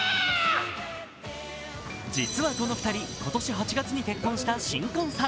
実はこの２人、今年８月に結婚した新婚さん。